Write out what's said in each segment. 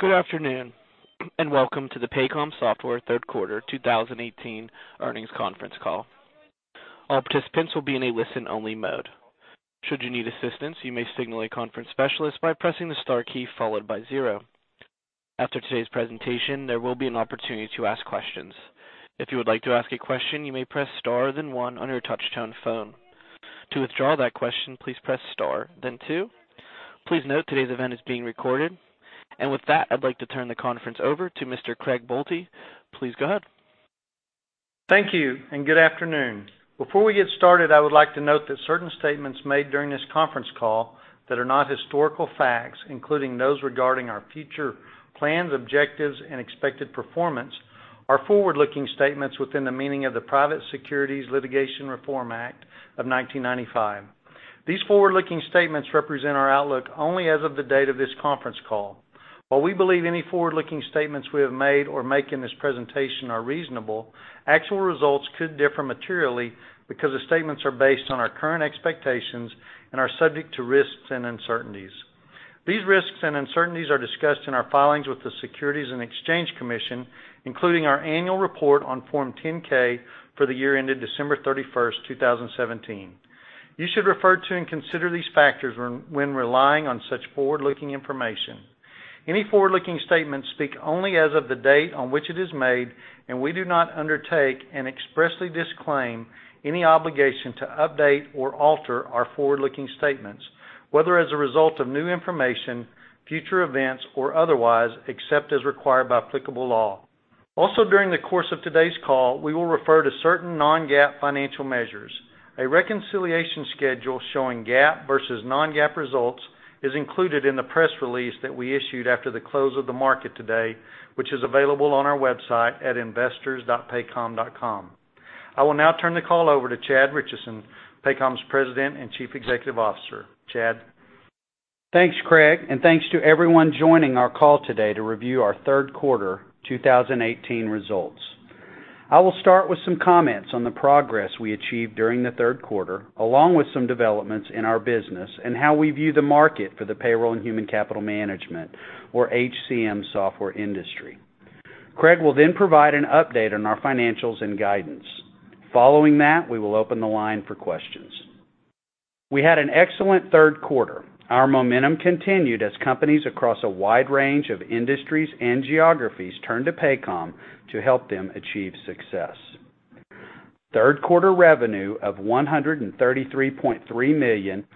Good afternoon, welcome to the Paycom Software third quarter 2018 earnings conference call. All participants will be in a listen-only mode. Should you need assistance, you may signal a conference specialist by pressing the star key followed by zero. After today's presentation, there will be an opportunity to ask questions. If you would like to ask a question, you may press star then one on your touch-tone phone. To withdraw that question, please press star then two. Please note today's event is being recorded. With that, I'd like to turn the conference over to Mr. Craig Boelte. Please go ahead. Thank you. Good afternoon. Before we get started, I would like to note that certain statements made during this conference call that are not historical facts, including those regarding our future plans, objectives, and expected performance, are forward-looking statements within the meaning of the Private Securities Litigation Reform Act of 1995. These forward-looking statements represent our outlook only as of the date of this conference call. While we believe any forward-looking statements we have made or make in this presentation are reasonable, actual results could differ materially because the statements are based on our current expectations and are subject to risks and uncertainties. These risks and uncertainties are discussed in our filings with the Securities and Exchange Commission, including our annual report on Form 10-K for the year ended December 31st, 2017. You should refer to and consider these factors when relying on such forward-looking information. Any forward-looking statements speak only as of the date on which it is made, we do not undertake and expressly disclaim any obligation to update or alter our forward-looking statements, whether as a result of new information, future events, or otherwise, except as required by applicable law. During the course of today's call, we will refer to certain non-GAAP financial measures. A reconciliation schedule showing GAAP versus non-GAAP results is included in the press release that we issued after the close of the market today, which is available on our website at investors.paycom.com. I will now turn the call over to Chad Richison, Paycom's President and Chief Executive Officer. Chad? Thanks, Craig, thanks to everyone joining our call today to review our third quarter 2018 results. I will start with some comments on the progress we achieved during the third quarter, along with some developments in our business and how we view the market for the payroll and human capital management or HCM software industry. Craig will provide an update on our financials and guidance. Following that, we will open the line for questions. We had an excellent third quarter. Our momentum continued as companies across a wide range of industries and geographies turned to Paycom to help them achieve success. Third quarter revenue of $133.3 million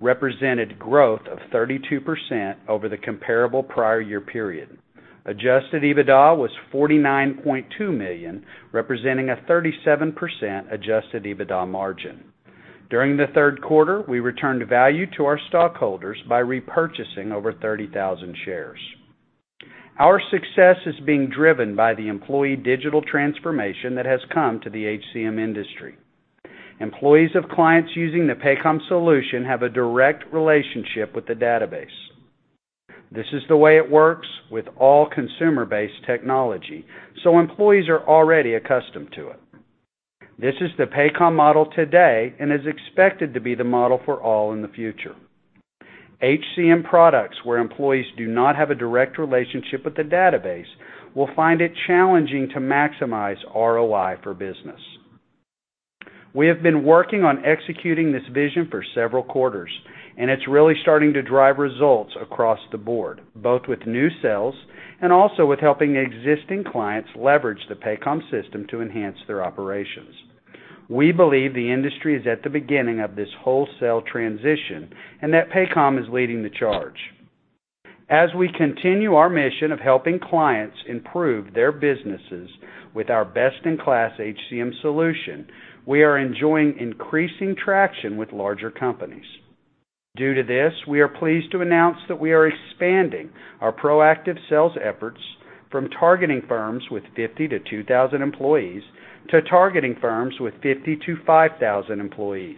represented growth of 32% over the comparable prior year period. Adjusted EBITDA was $49.2 million, representing a 37% adjusted EBITDA margin. During the third quarter, we returned value to our stockholders by repurchasing over 30,000 shares. Our success is being driven by the employee digital transformation that has come to the HCM industry. Employees of clients using the Paycom solution have a direct relationship with the database. This is the way it works with all consumer-based technology, so employees are already accustomed to it. This is the Paycom model today and is expected to be the model for all in the future. HCM products where employees do not have a direct relationship with the database will find it challenging to maximize ROI for business. We have been working on executing this vision for several quarters, and it's really starting to drive results across the board, both with new sales and also with helping existing clients leverage the Paycom system to enhance their operations. We believe the industry is at the beginning of this wholesale transition and that Paycom is leading the charge. As we continue our mission of helping clients improve their businesses with our best-in-class HCM solution, we are enjoying increasing traction with larger companies. Due to this, we are pleased to announce that we are expanding our proactive sales efforts from targeting firms with 50-2,000 employees to targeting firms with 50-5,000 employees.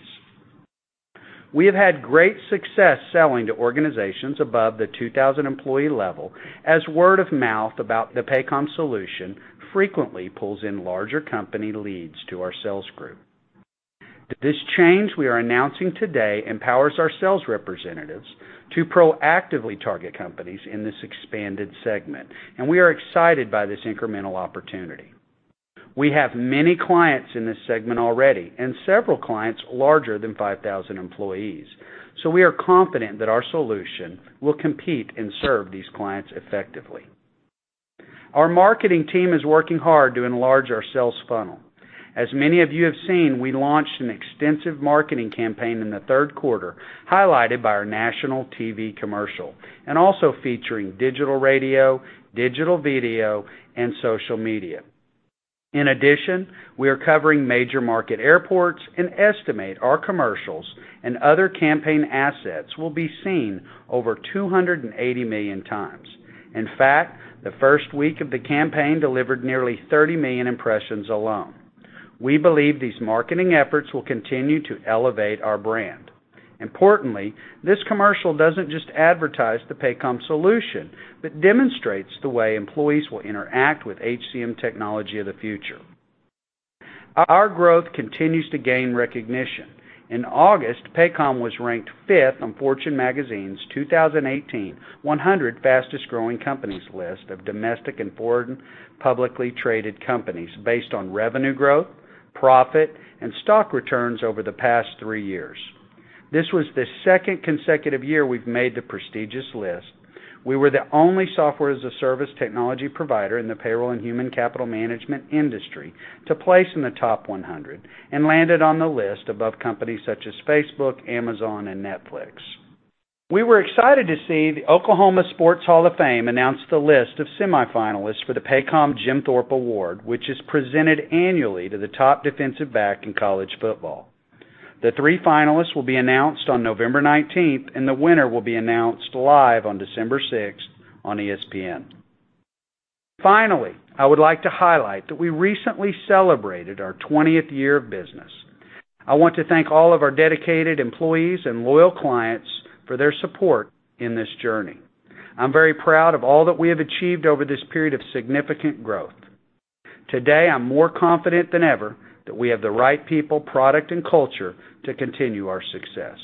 We have had great success selling to organizations above the 2,000-employee level as word of mouth about the Paycom solution frequently pulls in larger company leads to our sales group. This change we are announcing today empowers our sales representatives to proactively target companies in this expanded segment, and we are excited by this incremental opportunity. We have many clients in this segment already and several clients larger than 5,000 employees, so we are confident that our solution will compete and serve these clients effectively. Our marketing team is working hard to enlarge our sales funnel. As many of you have seen, we launched an extensive marketing campaign in the third quarter, highlighted by our national TV commercial and also featuring digital radio, digital video, and social media. In addition, we are covering major market airports and estimate our commercials and other campaign assets will be seen over 280 million times. In fact, the first week of the campaign delivered nearly 30 million impressions alone. We believe these marketing efforts will continue to elevate our brand. Importantly, this commercial doesn't just advertise the Paycom solution but demonstrates the way employees will interact with HCM technology of the future. Our growth continues to gain recognition. In August, Paycom was ranked fifth on Fortune magazine's 2018 100 Fastest-Growing Companies list of domestic and foreign publicly traded companies based on revenue growth, profit, and stock returns over the past three years. This was the second consecutive year we've made the prestigious list. We were the only Software as a Service technology provider in the payroll and human capital management industry to place in the top 100 and landed on the list above companies such as Facebook, Amazon, and Netflix. We were excited to see the Oklahoma Sports Hall of Fame announce the list of semifinalists for the Paycom Jim Thorpe Award, which is presented annually to the top defensive back in college football. The three finalists will be announced on November 19th, and the winner will be announced live on December 6th on ESPN. Finally, I would like to highlight that we recently celebrated our 20th year of business. I want to thank all of our dedicated employees and loyal clients for their support in this journey. I'm very proud of all that we have achieved over this period of significant growth. Today, I'm more confident than ever that we have the right people, product, and culture to continue our success.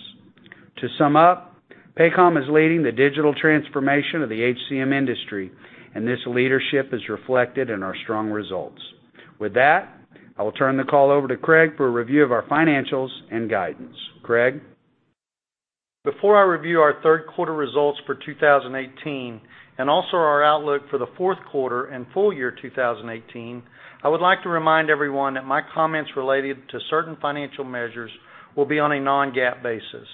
To sum up, Paycom is leading the digital transformation of the HCM industry. This leadership is reflected in our strong results. With that, I will turn the call over to Craig for a review of our financials and guidance. Craig? Before I review our third quarter results for 2018 and also our outlook for the fourth quarter and full year 2018, I would like to remind everyone that my comments related to certain financial measures will be on a non-GAAP basis.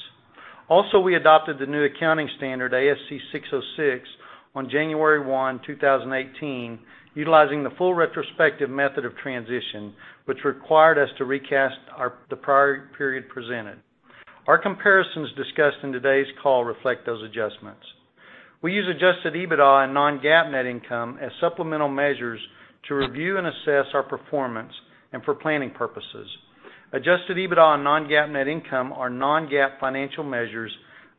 We adopted the new accounting standard ASC 606 on January 1, 2018, utilizing the full retrospective method of transition, which required us to recast the prior period presented. Our comparisons discussed in today's call reflect those adjustments. We use adjusted EBITDA and non-GAAP net income as supplemental measures to review and assess our performance and for planning purposes. Adjusted EBITDA and non-GAAP net income are non-GAAP financial measures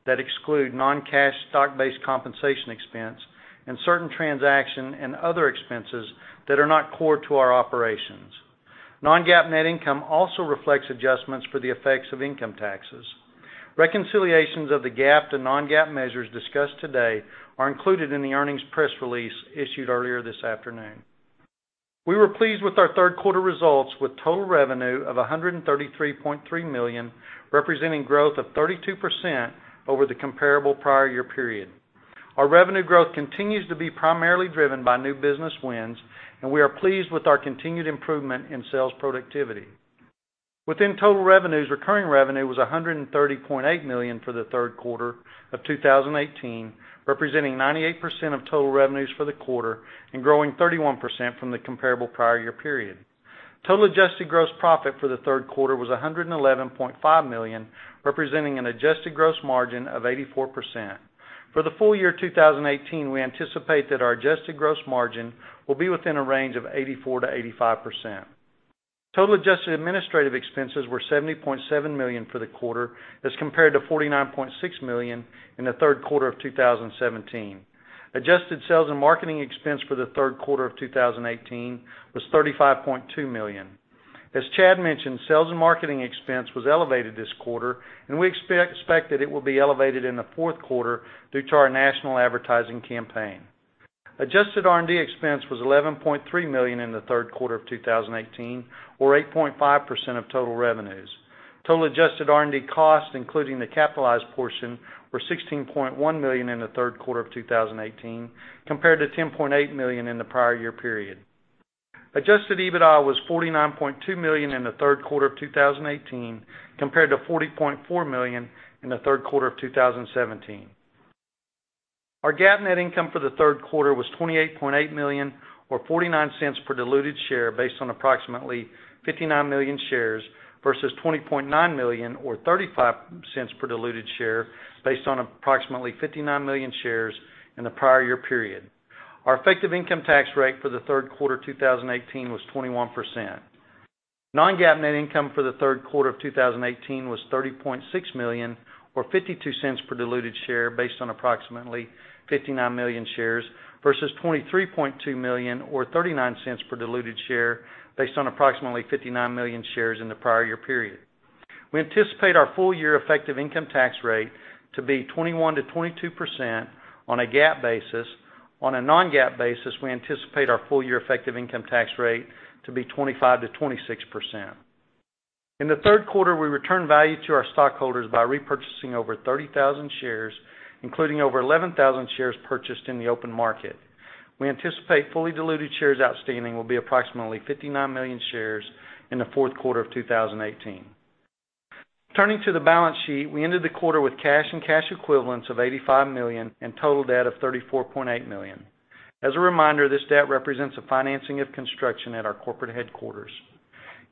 that exclude non-cash stock-based compensation expense and certain transaction and other expenses that are not core to our operations. Non-GAAP net income also reflects adjustments for the effects of income taxes. Reconciliations of the GAAP to non-GAAP measures discussed today are included in the earnings press release issued earlier this afternoon. We were pleased with our third quarter results, with total revenue of $133.3 million, representing growth of 32% over the comparable prior year period. Our revenue growth continues to be primarily driven by new business wins. We are pleased with our continued improvement in sales productivity. Within total revenues, recurring revenue was $130.8 million for the third quarter of 2018, representing 98% of total revenues for the quarter and growing 31% from the comparable prior year period. Total adjusted gross profit for the third quarter was $111.5 million, representing an adjusted gross margin of 84%. For the full year 2018, we anticipate that our adjusted gross margin will be within a range of 84%-85%. Total adjusted administrative expenses were $70.7 million for the quarter as compared to $49.6 million in the third quarter of 2017. Adjusted sales and marketing expense for the third quarter of 2018 was $35.2 million. As Chad mentioned, sales and marketing expense was elevated this quarter. We expect that it will be elevated in the fourth quarter due to our national advertising campaign. Adjusted R&D expense was $11.3 million in the third quarter of 2018, or 8.5% of total revenues. Total adjusted R&D costs, including the capitalized portion, were $16.1 million in the third quarter of 2018, compared to $10.8 million in the prior year period. Adjusted EBITDA was $49.2 million in the third quarter of 2018, compared to $40.4 million in the third quarter of 2017. Our GAAP net income for the third quarter was $28.8 million or $0.49 per diluted share based on approximately 59 million shares, versus $20.9 million or $0.35 per diluted share based on approximately 59 million shares in the prior year period. Our effective income tax rate for the third quarter 2018 was 21%. Non-GAAP net income for the third quarter of 2018 was $30.6 million or $0.52 per diluted share based on approximately 59 million shares, versus $23.2 million or $0.39 per diluted share based on approximately 59 million shares in the prior year period. We anticipate our full year effective income tax rate to be 21%-22% on a GAAP basis. On a non-GAAP basis, we anticipate our full year effective income tax rate to be 25%-26%. In the third quarter, we returned value to our stockholders by repurchasing over 30,000 shares, including over 11,000 shares purchased in the open market. We anticipate fully diluted shares outstanding will be approximately 59 million shares in the fourth quarter of 2018. Turning to the balance sheet, we ended the quarter with cash and cash equivalents of $85 million and total debt of $34.8 million. As a reminder, this debt represents a financing of construction at our corporate headquarters.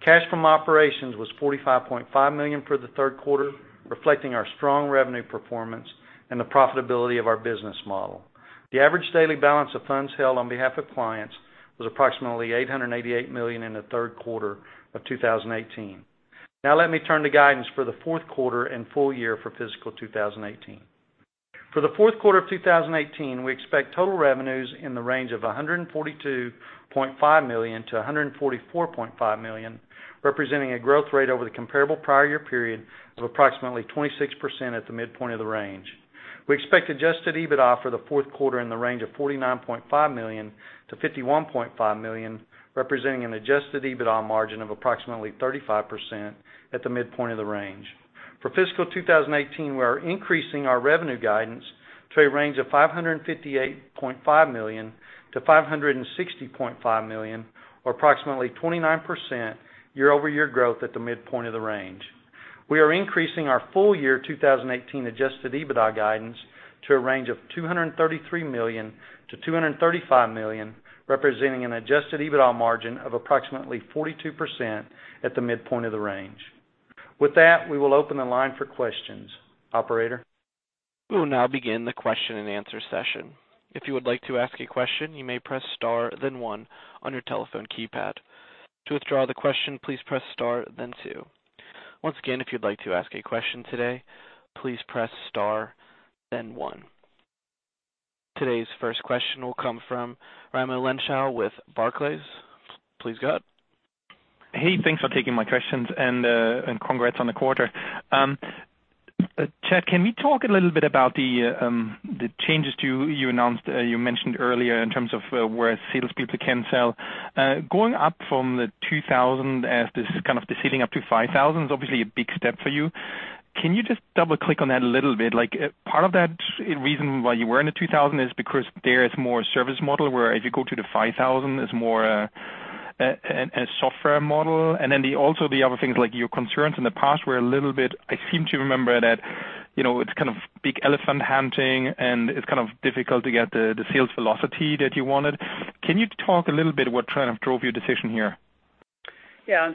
Cash from operations was $45.5 million for the third quarter, reflecting our strong revenue performance and the profitability of our business model. The average daily balance of funds held on behalf of clients was approximately $888 million in the third quarter of 2018. Let me turn to guidance for the fourth quarter and full year for fiscal 2018. For the fourth quarter of 2018, we expect total revenues in the range of $142.5 million-$144.5 million, representing a growth rate over the comparable prior year period of approximately 26% at the midpoint of the range. We expect adjusted EBITDA for the fourth quarter in the range of $49.5 million-$51.5 million, representing an adjusted EBITDA margin of approximately 35% at the midpoint of the range. For fiscal 2018, we are increasing our revenue guidance to a range of $558.5 million-$560.5 million, or approximately 29% year-over-year growth at the midpoint of the range. We are increasing our full-year 2018 adjusted EBITDA guidance to a range of $233 million-$235 million, representing an adjusted EBITDA margin of approximately 42% at the midpoint of the range. With that, we will open the line for questions. Operator? We will now begin the question and answer session. If you would like to ask a question, you may press star then one on your telephone keypad. To withdraw the question, please press star then two. Once again, if you'd like to ask a question today, please press star then one. Today's first question will come from Raimo Lenschow with Barclays. Please go ahead. Hey, thanks for taking my questions, and congrats on the quarter. Chad, can we talk a little bit about the changes you mentioned earlier in terms of where salespeople can sell? Going up from the 2,000 as this kind of the ceiling up to 5,000 is obviously a big step for you. Can you just double-click on that a little bit? Part of that reason why you were in the 2,000 is because there is more service model, where if you go to the 5,000, it's more a software model. Also the other things, like your concerns in the past were a little bit, I seem to remember that it's kind of big elephant hunting, and it's kind of difficult to get the sales velocity that you wanted. Can you talk a little bit what kind of drove your decision here? Yeah.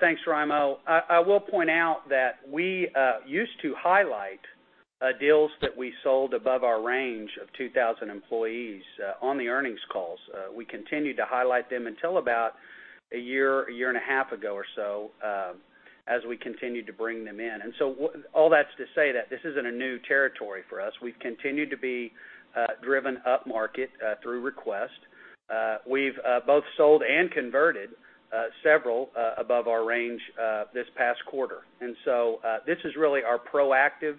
Thanks, Raimo. I will point out that we used to highlight deals that we sold above our range of 2,000 employees on the earnings calls. We continued to highlight them until about a year and a half ago or so, as we continued to bring them in. All that's to say that this isn't a new territory for us. We've continued to be driven upmarket through requests. We've both sold and converted several above our range this past quarter. This is really our proactive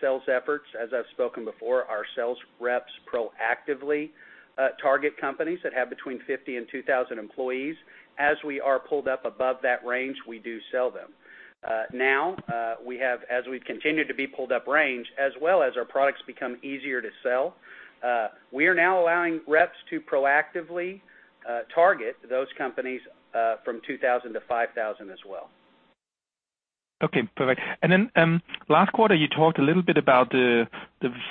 sales efforts. As I've spoken before, our sales reps proactively target companies that have between 50 and 2,000 employees. As we are pulled up above that range, we do sell them. Now, as we've continued to be pulled up range, as well as our products become easier to sell, we are now allowing reps to proactively target those companies from 2,000 to 5,000 as well. Okay, perfect. Last quarter, you talked a little bit about the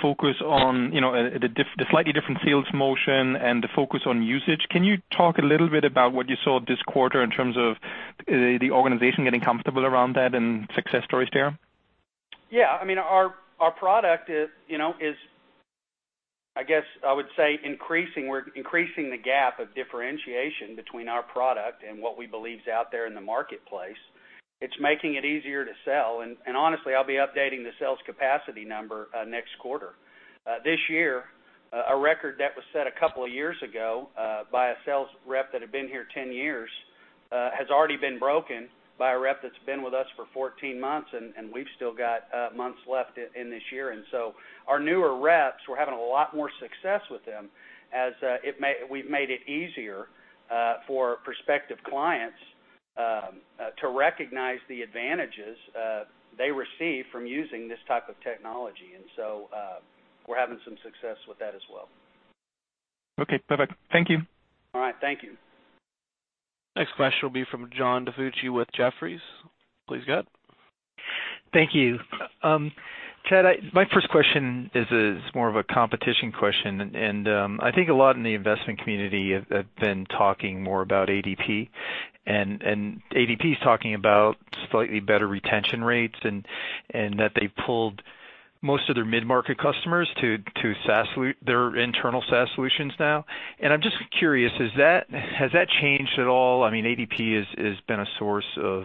focus on the slightly different sales motion and the focus on usage. Can you talk a little bit about what you saw this quarter in terms of the organization getting comfortable around that and success stories there? Yeah. Our product is, I guess I would say, we're increasing the gap of differentiation between our product and what we believe is out there in the marketplace. It's making it easier to sell. Honestly, I'll be updating the sales capacity number next quarter. This year, a record that was set a couple of years ago, by a sales rep that had been here 10 years, has already been broken by a rep that's been with us for 14 months, and we've still got months left in this year. Our newer reps, we're having a lot more success with them as we've made it easier for prospective clients to recognize the advantages they receive from using this type of technology. We're having some success with that as well. Okay, perfect. Thank you. All right. Thank you. Next question will be from John DiFucci with Jefferies. Please go ahead. Thank you. Chad, my first question is more of a competition question. I think a lot in the investment community have been talking more about ADP. ADP's talking about slightly better retention rates and that they pulled most of their mid-market customers to their internal SaaS solutions now. I'm just curious, has that changed at all? ADP has been a source of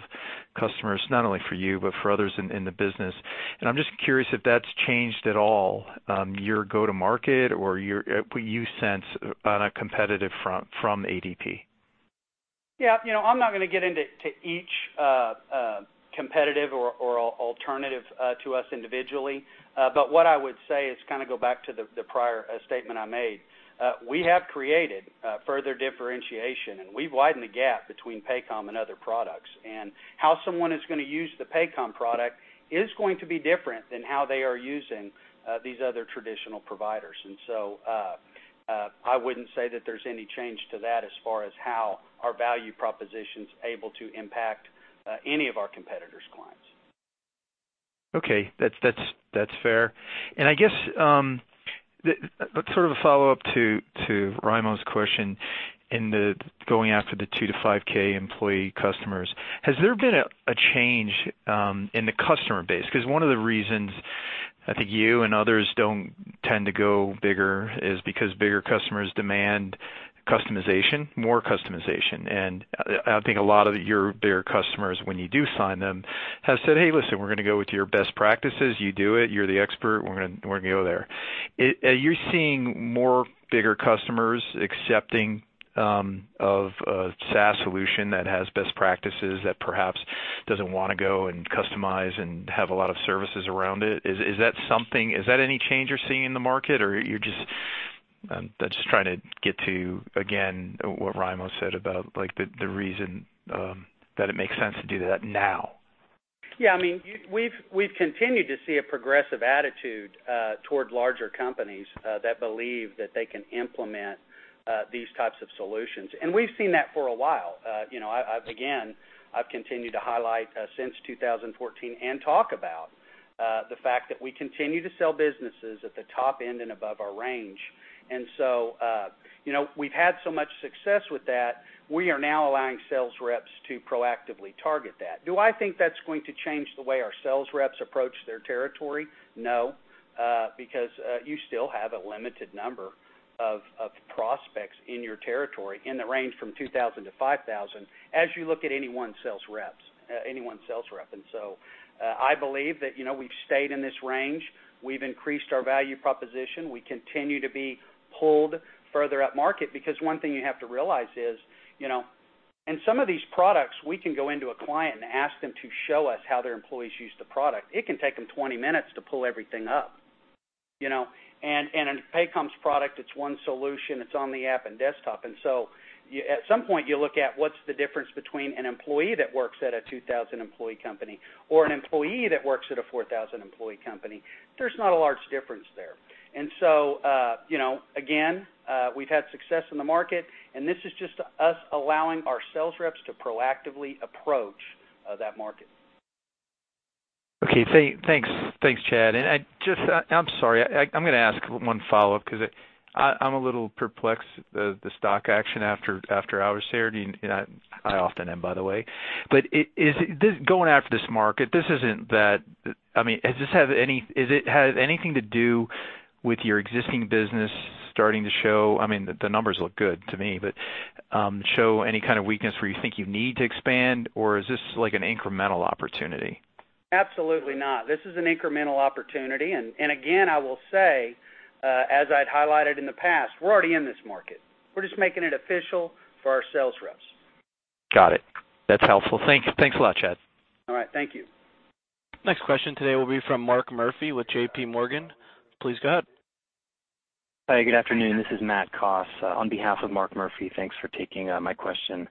customers, not only for you, but for others in the business. I'm just curious if that's changed at all, your go-to-market or what you sense on a competitive front from ADP. Yeah. I'm not going to get into each competitive or alternative to us individually. What I would say is go back to the prior statement I made. We have created further differentiation, and we've widened the gap between Paycom and other products. How someone is going to use the Paycom product is going to be different than how they are using these other traditional providers. I wouldn't say that there's any change to that as far as how our value proposition's able to impact any of our competitors' clients. Okay. That's fair. I guess, sort of a follow-up to Raimo's question in the going after the 2K-5K employee customers. Has there been a change in the customer base? One of the reasons I think you and others don't tend to go bigger is because bigger customers demand customization, more customization. I think a lot of your bigger customers, when you do sign them, have said, "Hey, listen, we're going to go with your best practices. You do it. You're the expert. We're going to go there." Are you seeing more bigger customers accepting of a SaaS solution that has best practices that perhaps doesn't want to go and customize and have a lot of services around it? Is that any change you're seeing in the market, or are you just I'm just trying to get to, again, what Raimo said about the reason that it makes sense to do that now. Yeah. We've continued to see a progressive attitude toward larger companies that believe that they can implement these types of solutions. We've seen that for a while. Again, I've continued to highlight since 2014 and talk about the fact that we continue to sell businesses at the top end and above our range. We've had so much success with that, we are now allowing sales reps to proactively target that. Do I think that's going to change the way our sales reps approach their territory? No, because you still have a limited number of prospects in your territory in the range from 2,000 to 5,000, as you look at any one sales rep. I believe that we've stayed in this range. We've increased our value proposition. We continue to be pulled further up market, because one thing you have to realize is, in some of these products, we can go into a client and ask them to show us how their employees use the product. It can take them 20 minutes to pull everything up. In Paycom's product, it's one solution. It's on the app and desktop. At some point, you look at what's the difference between an employee that works at a 2,000-employee company or an employee that works at a 4,000-employee company. There's not a large difference there. Again, we've had success in the market, and this is just us allowing our sales reps to proactively approach that market. Okay. Thanks, Chad. I'm sorry, I'm going to ask one follow-up because I'm a little perplexed at the stock action after hours here. I often am, by the way. Going after this market, does this have anything to do with your existing business starting to show-- The numbers look good to me, but show any kind of weakness where you think you need to expand, or is this an incremental opportunity? Absolutely not. This is an incremental opportunity, and again, I will say, as I'd highlighted in the past, we're already in this market. We're just making it official for our sales reps. Got it. That's helpful. Thanks a lot, Chad. All right. Thank you. Next question today will be from Mark Murphy with JPMorgan. Please go ahead. Hi, good afternoon. This is Matt Koss on behalf of Mark Murphy. Thanks for taking my question.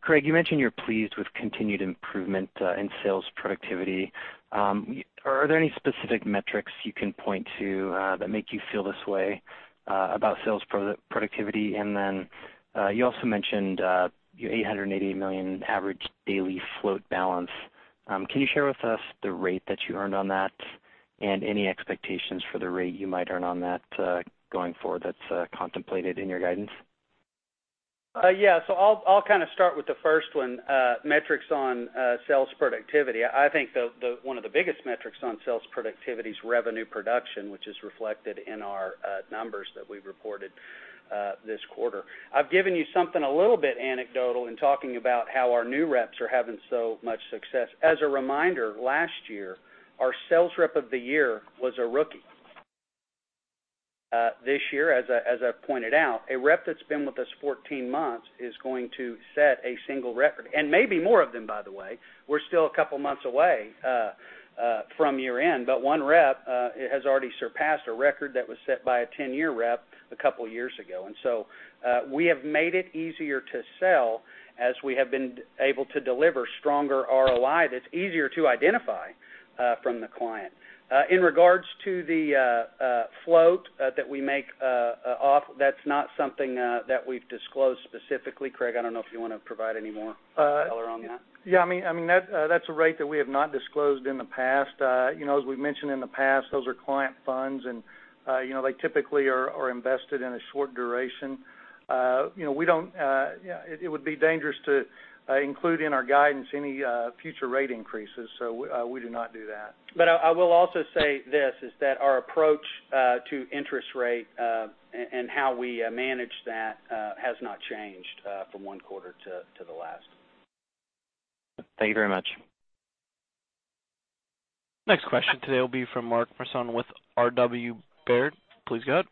Craig, you mentioned you're pleased with continued improvement in sales productivity. Are there any specific metrics you can point to that make you feel this way about sales productivity? You also mentioned your $888 million average daily float balance. Can you share with us the rate that you earned on that and any expectations for the rate you might earn on that going forward that's contemplated in your guidance? Yeah. I'll start with the first one, metrics on sales productivity. I think one of the biggest metrics on sales productivity is revenue production, which is reflected in our numbers that we've reported this quarter. I've given you something a little bit anecdotal in talking about how our new reps are having so much success. As a reminder, last year, our sales rep of the year was a rookie. This year, as I've pointed out, a rep that's been with us 14 months is going to set a single record, and maybe more of them, by the way. We're still a couple of months away from year-end, but one rep has already surpassed a record that was set by a 10-year rep a couple of years ago. We have made it easier to sell as we have been able to deliver stronger ROI that's easier to identify from the client. In regards to the float that we make off, that's not something that we've disclosed specifically. Craig, I don't know if you want to provide any more color on that. Yeah. That's a rate that we have not disclosed in the past. As we've mentioned in the past, those are client funds, and they typically are invested in a short duration. It would be dangerous to include in our guidance any future rate increases, so we do not do that. I will also say this, is that our approach to interest rate and how we manage that has not changed from one quarter to the last. Thank you very much. Next question today will be from Mark Marcon with RW Baird. Please go ahead.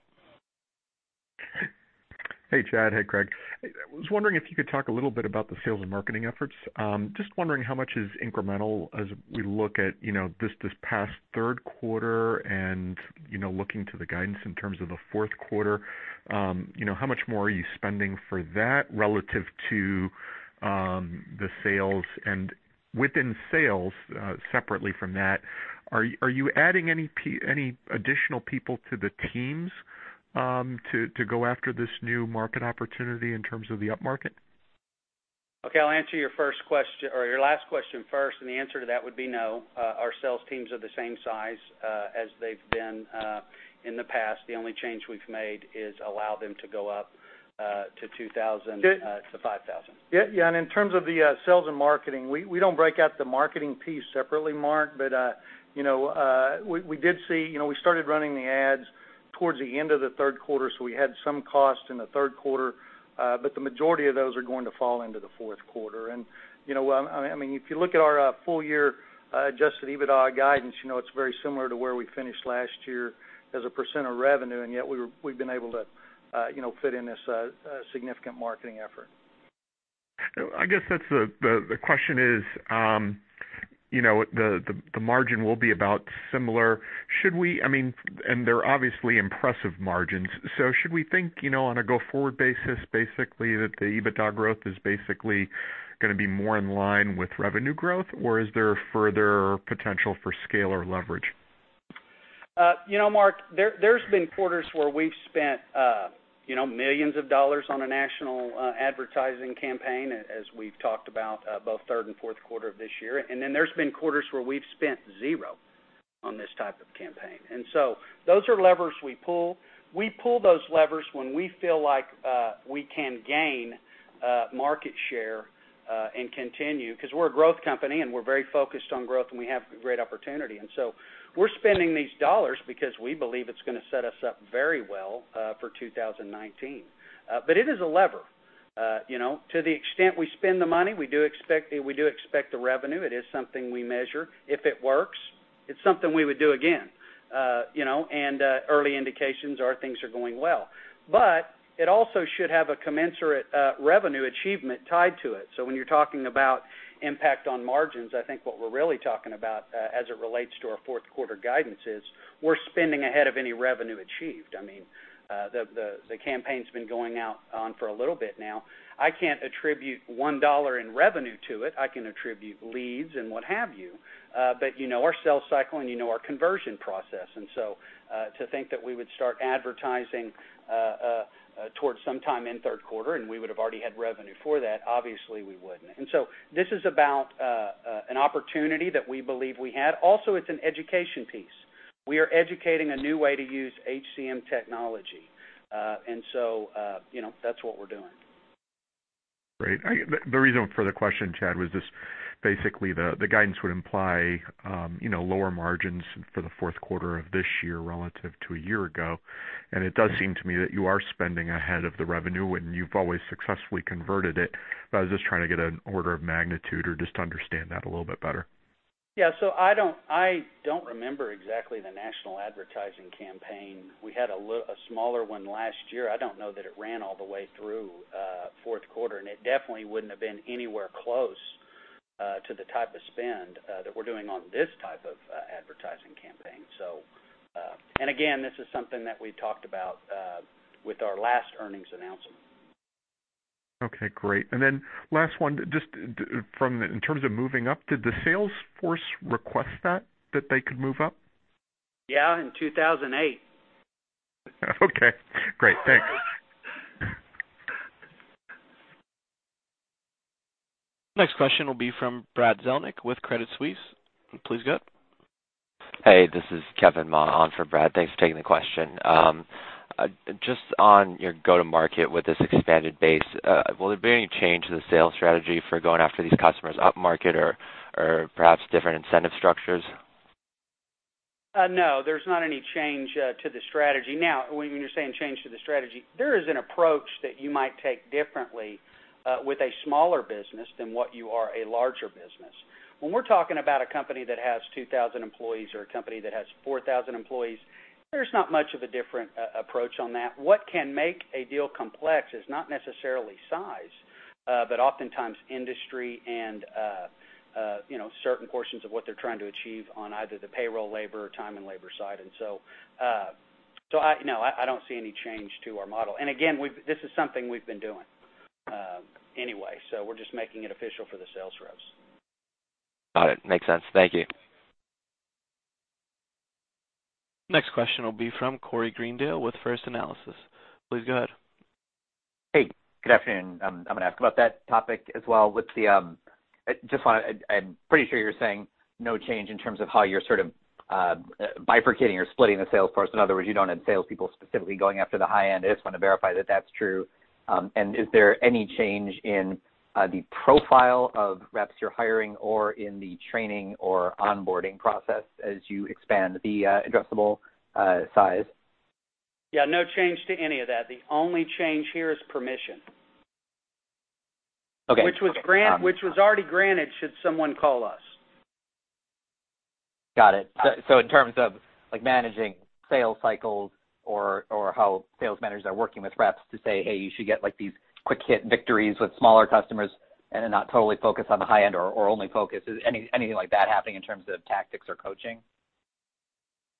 Hey, Chad. Hey, Craig. I was wondering if you could talk a little bit about the sales and marketing efforts. Just wondering how much is incremental as we look at this past third quarter and looking to the guidance in terms of the fourth quarter. How much more are you spending for that relative to the sales? Within sales, separately from that, are you adding any additional people to the teams to go after this new market opportunity in terms of the upmarket? Okay, I'll answer your last question first, and the answer to that would be no. Our sales teams are the same size as they've been in the past. The only change we've made is allow them to go up to 2,000-5,000. Yeah, in terms of the sales and marketing, we don't break out the marketing piece separately, Mark, but we started running the ads Towards the end of the third quarter, so we had some costs in the third quarter, but the majority of those are going to fall into the fourth quarter. If you look at our full year adjusted EBITDA guidance, it's very similar to where we finished last year as a % of revenue, yet we've been able to fit in this significant marketing effort. I guess the question is, the margin will be about similar. They're obviously impressive margins, so should we think, on a go-forward basis, basically that the EBITDA growth is basically going to be more in line with revenue growth, or is there further potential for scale or leverage? Mark, there's been quarters where we've spent millions of dollars on a national advertising campaign, as we've talked about, both third and fourth quarter of this year. Then there's been quarters where we've spent zero on this type of campaign. So those are levers we pull. We pull those levers when we feel like we can gain market share and continue, because we're a growth company, and we're very focused on growth, and we have great opportunity. So we're spending these dollars because we believe it's going to set us up very well for 2019. It is a lever. To the extent we spend the money, we do expect the revenue. It is something we measure. If it works, it's something we would do again. Early indications are things are going well. It also should have a commensurate revenue achievement tied to it. When you're talking about impact on margins, I think what we're really talking about, as it relates to our fourth quarter guidance, is we're spending ahead of any revenue achieved. The campaign's been going on for a little bit now. I can't attribute $1 in revenue to it. I can attribute leads and what have you, but you know our sales cycle and you know our conversion process. To think that we would start advertising towards some time in third quarter, and we would've already had revenue for that, obviously we wouldn't. This is about an opportunity that we believe we had. Also, it's an education piece. We are educating a new way to use HCM technology. That's what we're doing. Great. The reason for the question, Chad, was just basically the guidance would imply lower margins for the fourth quarter of this year relative to a year ago. It does seem to me that you are spending ahead of the revenue, and you've always successfully converted it, but I was just trying to get an order of magnitude or just to understand that a little bit better. Yeah. I don't remember exactly the national advertising campaign. We had a smaller one last year. I don't know that it ran all the way through fourth quarter, and it definitely wouldn't have been anywhere close to the type of spend that we're doing on this type of advertising campaign. Again, this is something that we talked about with our last earnings announcement. Okay, great. Last one, just in terms of moving up, did the sales force request that they could move up? Yeah, in 2008. Okay, great. Thanks. Next question will be from Brad Zelnick with Credit Suisse. Please go ahead. Hey, this is Kevin Ma on for Brad. Thanks for taking the question. Just on your go to market with this expanded base, will there be any change to the sales strategy for going after these customers up market or perhaps different incentive structures? No, there's not any change to the strategy. When you're saying change to the strategy, there is an approach that you might take differently with a smaller business than what you are a larger business. When we're talking about a company that has 2,000 employees or a company that has 4,000 employees, there's not much of a different approach on that. What can make a deal complex is not necessarily size, but oftentimes industry and certain portions of what they're trying to achieve on either the payroll labor or time and labor side. No, I don't see any change to our model. Again, this is something we've been doing anyway, so we're just making it official for the sales reps. Got it. Makes sense. Thank you. Next question will be from Corey Greendale with First Analysis. Please go ahead. Hey, good afternoon. I'm going to ask about that topic as well. I'm pretty sure you're saying no change in terms of how you're sort of bifurcating or splitting the sales force. In other words, you don't have salespeople specifically going after the high end. I just want to verify that that's true. Is there any change in the profile of reps you're hiring or in the training or onboarding process as you expand the addressable size? Yeah, no change to any of that. The only change here is permission. Okay. Which was already granted should someone call us. Got it. In terms of managing sales cycles or how sales managers are working with reps to say, "Hey, you should get these quick hit victories with smaller customers and then not totally focus on the high end or only focus." Is anything like that happening in terms of tactics or coaching?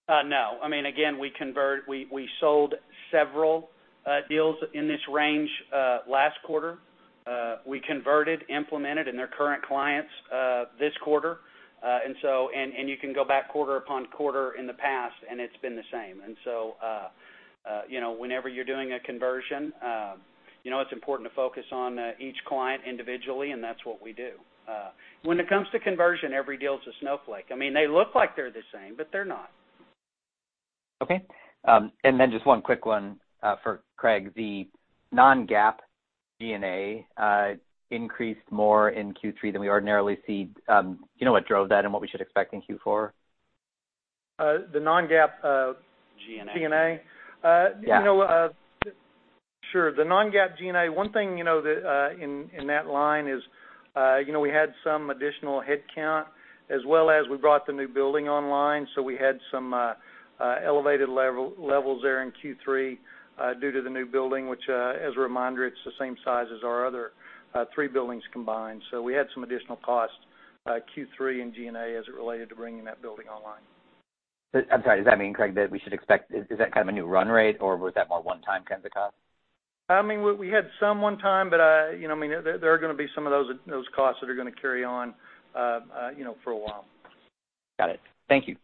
No. Again, we sold several deals in this range last quarter. We converted, implemented, and they're current clients this quarter. You can go back quarter upon quarter in the past, and it's been the same. Whenever you're doing a conversion, it's important to focus on each client individually, and that's what we do. When it comes to conversion, every deal's a snowflake. They look like they're the same, but they're not. Okay. Then just one quick one for Craig. The non-GAAP G&A increased more in Q3 than we ordinarily see. Do you know what drove that and what we should expect in Q4? The non-GAAP G&A G&A? Yeah. Sure. The non-GAAP G&A, one thing in that line is we had some additional headcount as well as we brought the new building online, we had some elevated levels there in Q3 due to the new building, which, as a reminder, it's the same size as our other three buildings combined. We had some additional costs, Q3 in G&A, as it related to bringing that building online. I'm sorry, does that mean, Craig, that we should expect? Is that kind of a new run rate, or was that more one-time kind of a cost? We had some one-time, but there are going to be some of those costs that are going to carry on for a while. Got it. Thank you.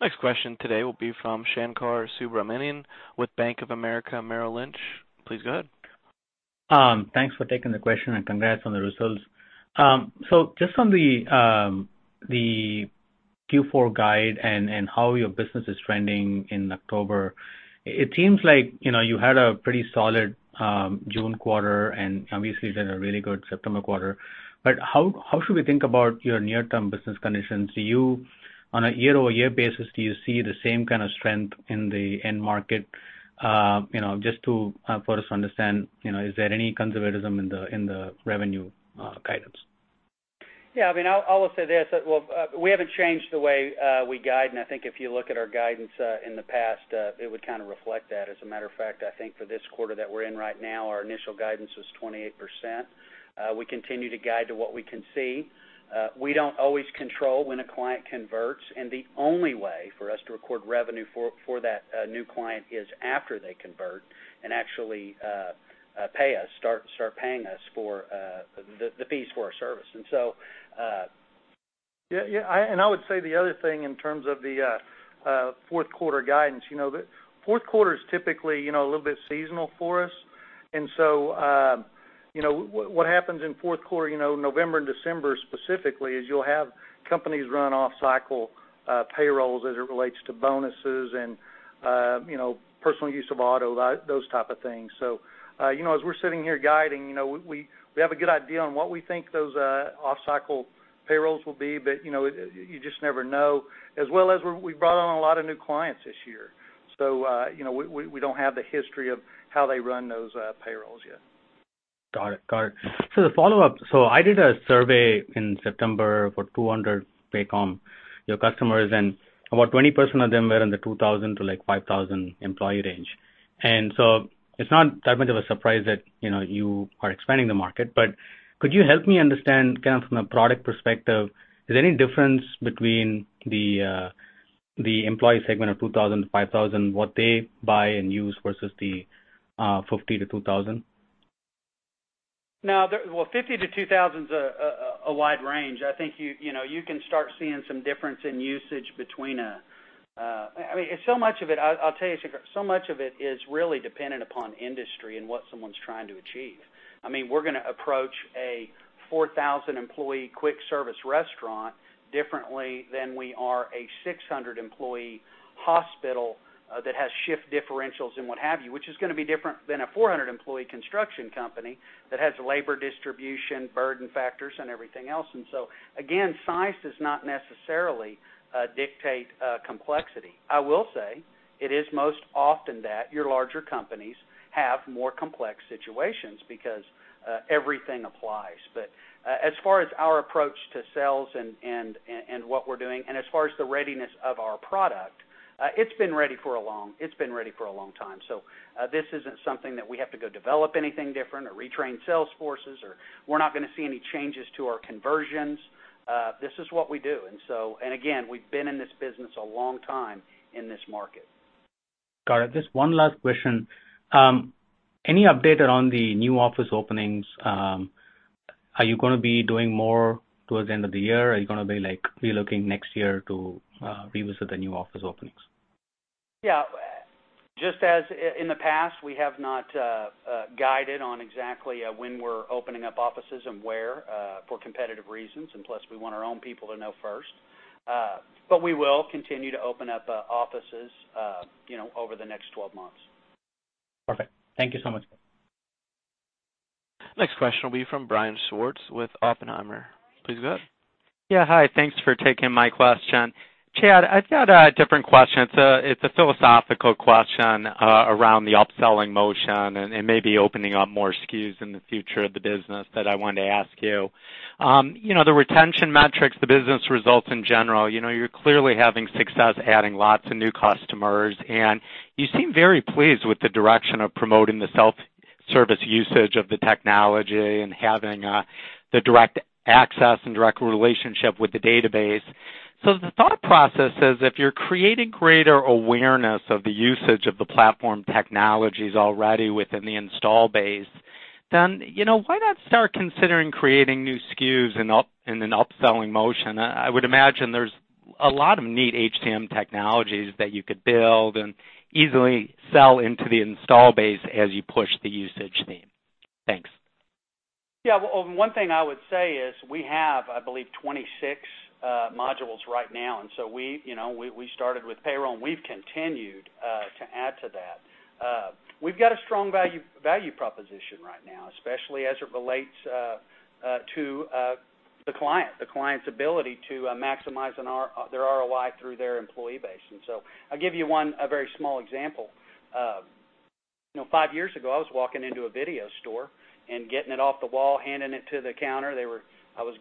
Next question today will be from Shankar Subramanian with Bank of America Merrill Lynch. Please go ahead. Thanks for taking the question, and congrats on the results. Just on the Q4 guide and how your business is trending in October, it seems like you had a pretty solid June quarter, and obviously you've had a really good September quarter. How should we think about your near-term business conditions? Do you, on a year-over-year basis, do you see the same kind of strength in the end market? Just to help us understand, is there any conservatism in the revenue guidance? Yeah, I'll say this. Well, we haven't changed the way we guide, and I think if you look at our guidance in the past, it would kind of reflect that. As a matter of fact, I think for this quarter that we're in right now, our initial guidance was 28%. We continue to guide to what we can see. We don't always control when a client converts, and the only way for us to record revenue for that new client is after they convert and actually pay us, start paying us the fees for our service. Yeah, and I would say the other thing in terms of the fourth quarter guidance, the fourth quarter's typically a little bit seasonal for us. What happens in fourth quarter, November and December specifically, is you'll have companies run off-cycle payrolls as it relates to bonuses and personal use of auto, those type of things. As we're sitting here guiding, we have a good idea on what we think those off-cycle payrolls will be, but you just never know, as well as we brought on a lot of new clients this year. We don't have the history of how they run those payrolls yet. Got it. The follow-up, I did a survey in September for 200 Paycom, your customers, and about 20% of them were in the 2,000 to 5,000 employee range. It's not that much of a surprise that you are expanding the market. Could you help me understand, kind of from a product perspective, is there any difference between the employee segment of 2,000 to 5,000, what they buy and use versus the 50 to 2,000? No. Well, 50 to 2,000 is a wide range. I think you can start seeing some difference in usage between. So much of it, I'll tell you, Shankar, so much of it is really dependent upon industry and what someone's trying to achieve. We're going to approach a 4,000-employee quick service restaurant differently than we are a 600-employee hospital that has shift differentials and what have you, which is going to be different than a 400-employee construction company that has labor distribution, burden factors, and everything else. Again, size does not necessarily dictate complexity. I will say it is most often that your larger companies have more complex situations because everything applies. As far as our approach to sales and what we're doing, and as far as the readiness of our product, it's been ready for a long time. This isn't something that we have to go develop anything different or retrain sales forces or we're not going to see any changes to our conversions. This is what we do. Again, we've been in this business a long time in this market. Got it. Just one last question. Any update on the new office openings? Are you going to be doing more towards the end of the year? Are you going to be relooking next year to revisit the new office openings? Yeah. Just as in the past, we have not guided on exactly when we're opening up offices and where, for competitive reasons, and plus we want our own people to know first. We will continue to open up offices over the next 12 months. Perfect. Thank you so much. Next question will be from Brian Schwartz with Oppenheimer. Please go ahead. Yeah, hi. Thanks for taking my question. Chad Richison, I've got a different question. It's a philosophical question around the upselling motion and maybe opening up more SKUs in the future of the business that I wanted to ask you. The retention metrics, the business results in general, you're clearly having success adding lots of new customers, and you seem very pleased with the direction of promoting the self-service usage of the technology and having the direct access and direct relationship with the database. The thought process is, if you're creating greater awareness of the usage of the platform technologies already within the install base, why not start considering creating new SKUs in an upselling motion? I would imagine there's a lot of neat HCM technologies that you could build and easily sell into the install base as you push the usage theme. Thanks. Yeah. One thing I would say is we have, I believe, 26 modules right now, we started with payroll, and we've continued to add to that. We've got a strong value proposition right now, especially as it relates to the client, the client's ability to maximize their ROI through their employee base. I'll give you one, a very small example. five years ago, I was walking into a video store and getting it off the wall, handing it to the counter. I was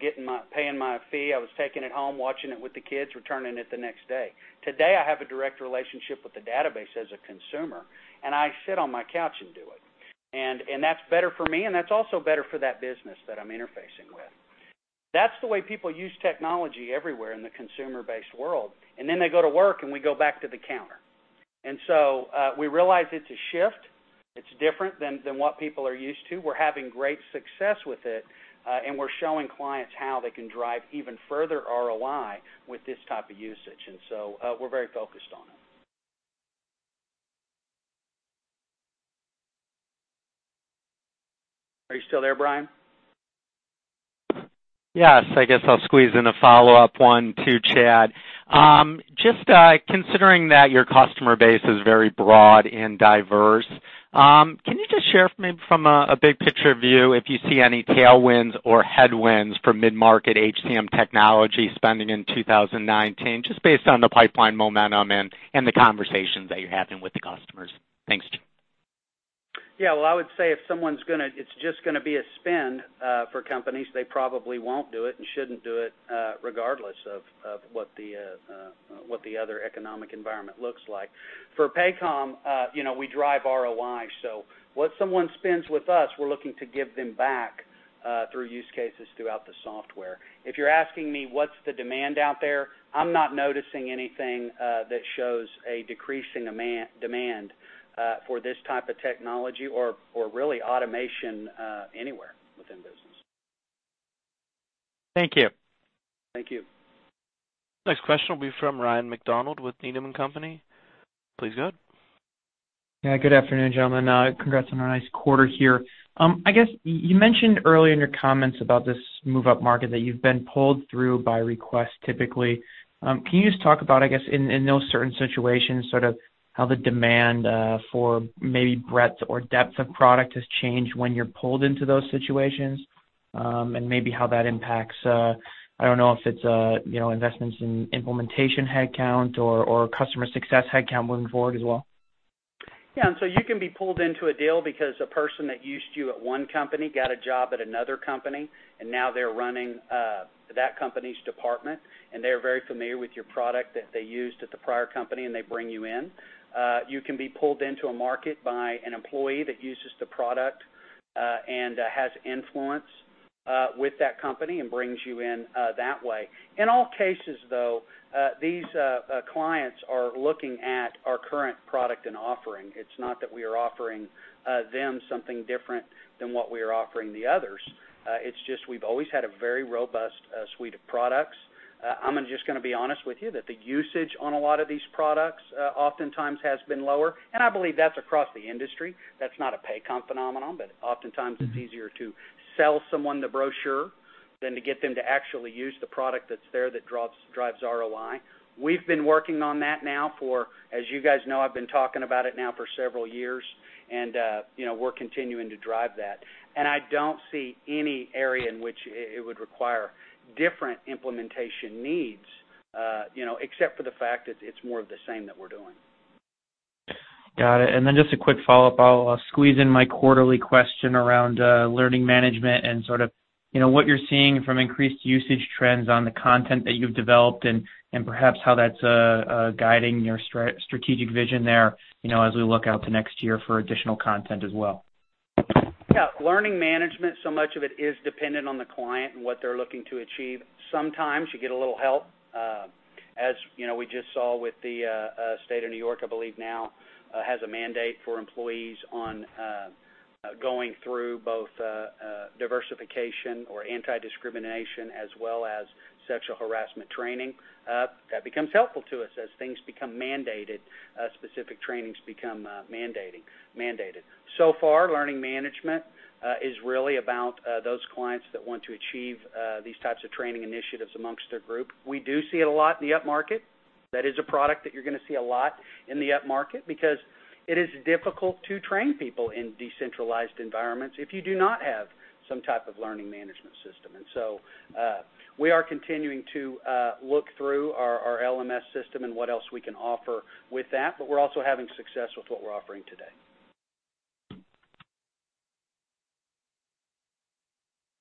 paying my fee. I was taking it home, watching it with the kids, returning it the next day. Today, I have a direct relationship with the database as a consumer, and I sit on my couch and do it. That's better for me, and that's also better for that business that I'm interfacing with. That's the way people use technology everywhere in the consumer-based world. They go to work, and we go back to the counter. We realize it's a shift. It's different than what people are used to. We're having great success with it, and so we're showing clients how they can drive even further ROI with this type of usage, and so we're very focused on it. Are you still there, Brian? Yes. I guess I'll squeeze in a follow-up one too, Chad. Just considering that your customer base is very broad and diverse, can you just share maybe from a big picture view, if you see any tailwinds or headwinds for mid-market HCM technology spending in 2019, just based on the pipeline momentum and the conversations that you're having with the customers? Thanks. Yeah. Well, I would say if it's just going to be a spend for companies, they probably won't do it and shouldn't do it, regardless of what the other economic environment looks like. For Paycom, we drive ROI, so what someone spends with us, we're looking to give them back through use cases throughout the software. If you're asking me what's the demand out there, I'm not noticing anything that shows a decrease in demand for this type of technology or really automation anywhere within business. Thank you. Thank you. Next question will be from Ryan MacDonald with Needham & Company. Please go ahead. Yeah. Good afternoon, gentlemen. Congrats on a nice quarter here. I guess you mentioned earlier in your comments about this move-up market that you've been pulled through by request, typically. Can you just talk about, I guess, in those certain situations, sort of how the demand for maybe breadth or depth of product has changed when you're pulled into those situations? Maybe how that impacts, I don't know if it's investments in implementation headcount or customer success headcount moving forward as well. Yeah, you can be pulled into a deal because a person that used you at one company got a job at another company, and now they're running that company's department, and they're very familiar with your product that they used at the prior company, and they bring you in. You can be pulled into a market by an employee that uses the product, and has influence with that company and brings you in that way. In all cases, though, these clients are looking at our current product and offering. It's not that we are offering them something different than what we are offering the others. It's just we've always had a very robust suite of products. I'm just going to be honest with you that the usage on a lot of these products oftentimes has been lower, and I believe that's across the industry. That's not a Paycom phenomenon, but oftentimes it's easier to sell someone the brochure than to get them to actually use the product that's there that drives ROI. We've been working on that now for, as you guys know, I've been talking about it now for several years, and we're continuing to drive that. I don't see any area in which it would require different implementation needs, except for the fact that it's more of the same that we're doing. Got it. Then just a quick follow-up. I'll squeeze in my quarterly question around learning management and sort of what you're seeing from increased usage trends on the content that you've developed and perhaps how that's guiding your strategic vision there as we look out to next year for additional content as well. Yeah. Learning management, so much of it is dependent on the client and what they're looking to achieve. Sometimes you get a little help, as we just saw with the State of New York, I believe now has a mandate for employees on going through both diversification or anti-discrimination as well as sexual harassment training. That becomes helpful to us as things become mandated, specific trainings become mandated. Far, learning management is really about those clients that want to achieve these types of training initiatives amongst their group. We do see it a lot in the upmarket. That is a product that you're going to see a lot in the upmarket because it is difficult to train people in decentralized environments if you do not have some type of learning management system. We are continuing to look through our LMS system and what else we can offer with that, but we're also having success with what we're offering today.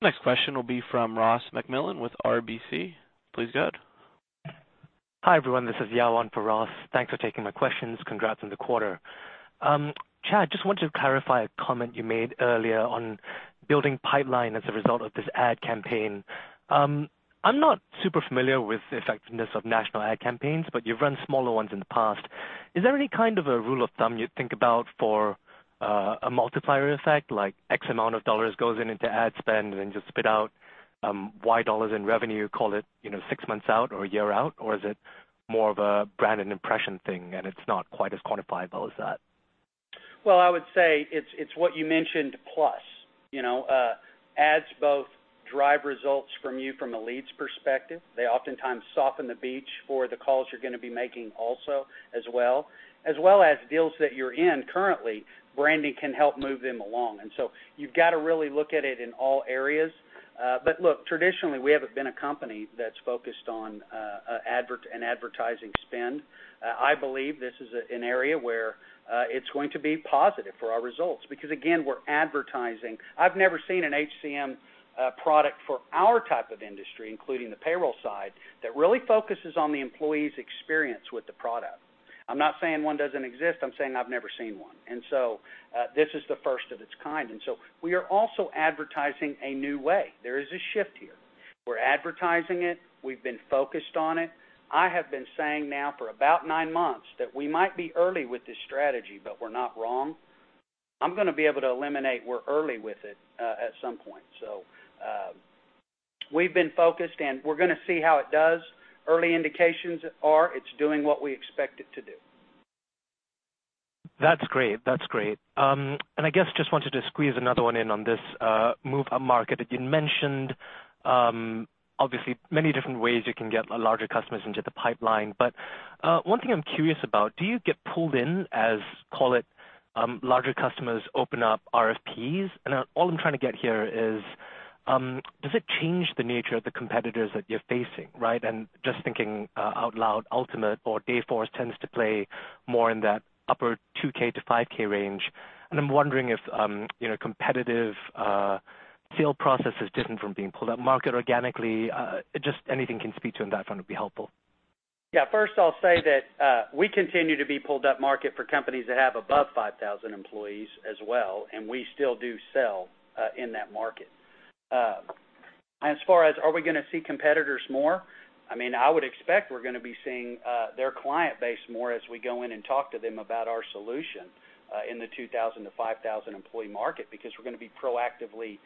Next question will be from Ross MacMillan with RBC. Please go ahead. Hi, everyone, this is Yawen for Ross. Thanks for taking my questions. Congrats on the quarter. Chad, just wanted to clarify a comment you made earlier on building pipeline as a result of this ad campaign. I'm not super familiar with the effectiveness of national ad campaigns, but you've run smaller ones in the past. Is there any kind of a rule of thumb you'd think about for a multiplier effect, like X amount of dollars goes into ad spend and then just spit out Y dollars in revenue, call it six months out or a year out, or is it more of a brand and impression thing and it's not quite as quantifiable as that? Well, I would say it's what you mentioned, plus. Ads both drive results from you from a leads perspective. They oftentimes soften the beach for the calls you're going to be making also, as well. As well as deals that you're in currently, branding can help move them along. You've got to really look at it in all areas. Look, traditionally, we haven't been a company that's focused on an advertising spend. I believe this is an area where it's going to be positive for our results, because again, we're advertising. I've never seen an HCM product for our type of industry, including the payroll side, that really focuses on the employee's experience with the product. I'm not saying one doesn't exist. I'm saying I've never seen one. This is the first of its kind. We are also advertising a new way. There is a shift here. We're advertising it. We've been focused on it. I have been saying now for about nine months that we might be early with this strategy, but we're not wrong. I'm going to be able to eliminate we're early with it at some point. We've been focused, and we're going to see how it does. Early indications are it's doing what we expect it to do. That's great. I guess just wanted to squeeze another one in on this move up market that you mentioned. Obviously, many different ways you can get larger customers into the pipeline. One thing I'm curious about, do you get pulled in as, call it, larger customers open up RFPs? All I'm trying to get here is, does it change the nature of the competitors that you're facing, right? Just thinking out loud, Ultimate or Dayforce tends to play more in that upper 2,000-5,000 range. I'm wondering if competitive sale process is different from being pulled up market organically. Just anything you can speak to on that front would be helpful. Yeah. First, I'll say that we continue to be pulled up market for companies that have above 5,000 employees as well, and we still do sell in that market. As far as are we going to see competitors more, I would expect we're going to be seeing their client base more as we go in and talk to them about our solution in the 2,000 to 5,000 employee market, because we're going to be proactively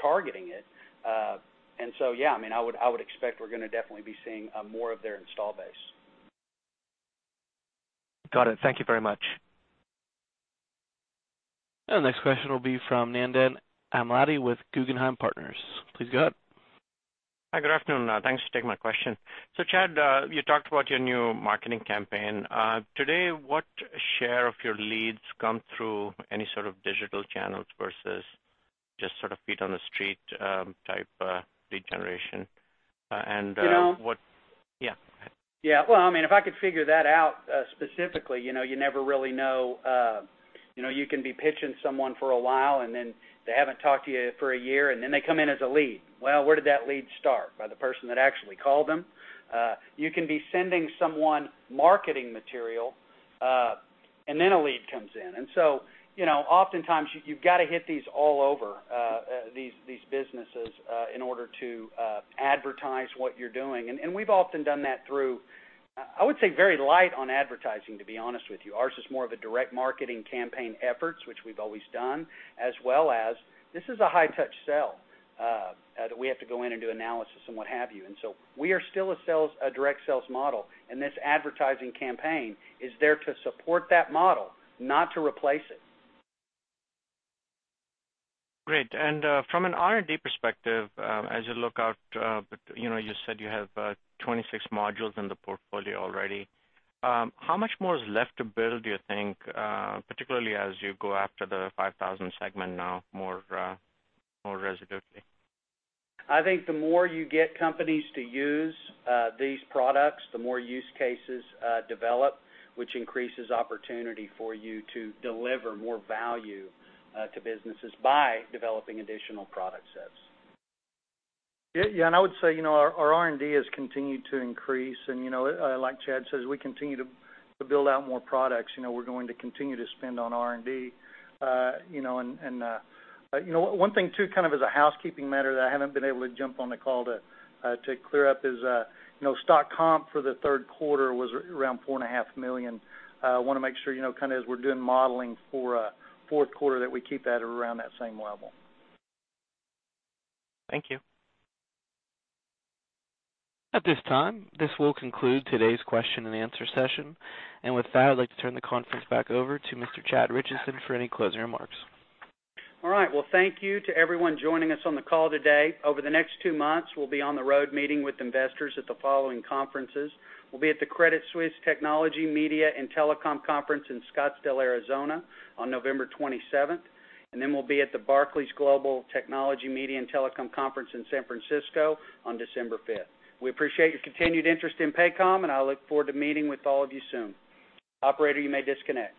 targeting it. Yeah, I would expect we're going to definitely be seeing more of their install base. Got it. Thank you very much. The next question will be from Nandan Amladi with Guggenheim Partners. Please go ahead. Hi, good afternoon. Thanks for taking my question. Chad, you talked about your new marketing campaign. Today, what share of your leads come through any sort of digital channels versus just sort of feet on the street type lead generation? You know. Yeah, go ahead. Yeah. Well, if I could figure that out specifically, you never really know. You can be pitching someone for a while, and then they haven't talked to you for a year, and then they come in as a lead. Well, where did that lead start? By the person that actually called them. You can be sending someone marketing material, and then a lead comes in. Oftentimes, you've got to hit these all over, these businesses, in order to advertise what you're doing. We've often done that through, I would say, very light on advertising, to be honest with you. Ours is more of a direct marketing campaign efforts, which we've always done, as well as this is a high-touch sell, that we have to go in and do analysis and what have you. We are still a direct sales model, and this advertising campaign is there to support that model, not to replace it. Great. From an R&D perspective, as you look out, you said you have 26 modules in the portfolio already. How much more is left to build, do you think, particularly as you go after the 5,000 segment now more as you go? I think the more you get companies to use these products, the more use cases develop, which increases opportunity for you to deliver more value to businesses by developing additional product sets. Yeah, I would say our R&D has continued to increase. Like Chad says, we continue to build out more products. We're going to continue to spend on R&D. One thing, too, kind of as a housekeeping matter that I haven't been able to jump on the call to clear up is stock comp for the third quarter was around $4.5 million. Want to make sure, kind of as we're doing modeling for fourth quarter, that we keep that around that same level. Thank you. At this time, this will conclude today's question and answer session. With that, I'd like to turn the conference back over to Mr. Chad Richison for any closing remarks. All right. Well, thank you to everyone joining us on the call today. Over the next two months, we'll be on the road meeting with investors at the following conferences. We'll be at the Credit Suisse Technology, Media and Telecom conference in Scottsdale, Arizona on November 27th. Then we'll be at the Barclays Global Technology, Media and Telecom conference in San Francisco on December 5th. We appreciate your continued interest in Paycom, and I look forward to meeting with all of you soon. Operator, you may disconnect.